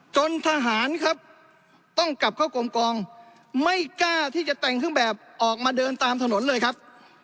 จนทหารครับต้องกลับเข้ากลมกองไม่กล้าที่จะแต่งเครื่องแบบออกมาเดินตามถนนเลยครับ